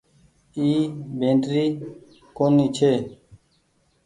ايڪ بيٽري ڪونيٚ ڇي۔